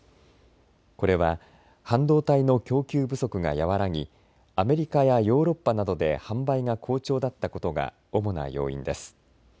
これは半導体の供給不足が和らぎアメリカやヨーロッパなどで販売が好調だったことが主な要因です。